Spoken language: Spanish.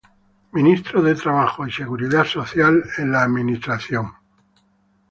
Ministro de Trabajo y Seguridad Social en la administración Solís Rivera.